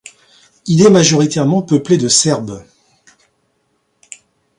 Il est majoritairement peuplé de Serbes.